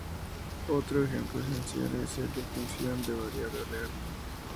Otro ejemplo esencial es el de función de variable real.